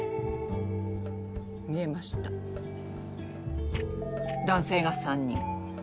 見えました男性が３人。